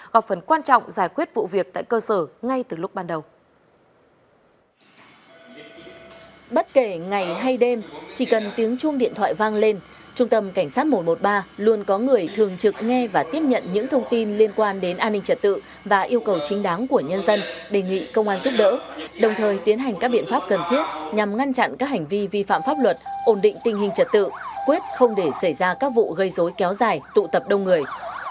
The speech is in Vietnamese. bất kể ngày hay đêm chỉ cần tiếng chuông điện thoại vang lên trung tâm cảnh sát một trăm một mươi ba luôn có người thường trực nghe và tiếp nhận những thông tin liên quan đến an ninh trật tự và yêu cầu chính đáng của nhân dân đề nghị công an giúp đỡ đồng thời tiến hành các biện pháp cần thiết nhằm ngăn chặn các hành vi vi phạm pháp luật ổn định tình hình trật tự quyết không để xảy ra các vụ gây dối kéo dài tụ tập đông người